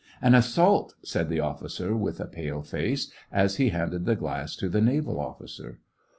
" An assault," said the officer, with a pale face, as he handed the glass to the naval officer.